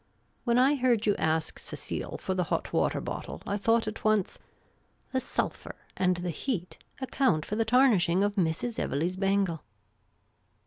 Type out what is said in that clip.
When I heard you ask Cecile for the hot water bottle, I thought at once :' The sulphur and the heat account for the tarnishing of Mrs. Bvelegh's bangle.'